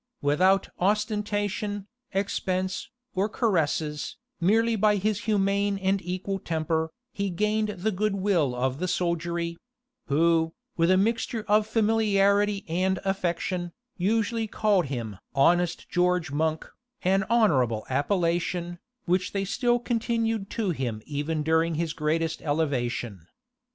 Without ostentation, expense, or caresses, merely by his humane and equal temper, he gained the good will of the soldiery; who, with a mixture of familiarity and affection, usually called him "honest George Monk," an honorable appellation, which they still continued to him even during his greatest elevation.